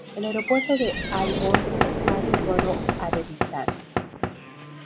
El aeropuerto de Aalborg está situado a de distancia.